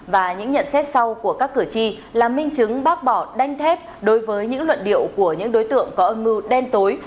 và những nhận xét sau của các cử tri là minh chứng bác bỏ đanh thép đối với những luận điệu của những đối tượng có âm mưu đen tối